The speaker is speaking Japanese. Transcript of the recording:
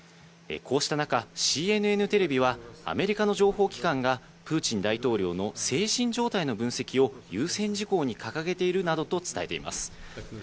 こうした中、ＣＮＮテレビはアメリカの情報機関がプーチン大統領の精神状態の分析を優先事項に掲げているなどと伝えています。